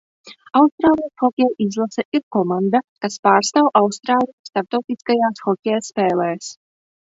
Austrālijas hokeja izlase ir komanda, kas pārstāv Austrāliju starptautiskajās hokeja spēlēs.